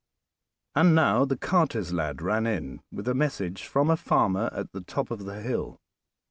And now the carter's lad ran in with a message from a farmer at the top of the hill.